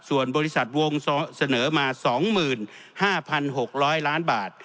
ส่วนบริษัทวงศ์สนเสนอมาสองหมื่นห้าพันหกร้อยล้านบาท